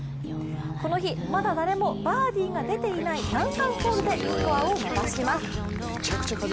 この日まだ誰もバーディーが出ていない難関ホールでスコアを伸ばします。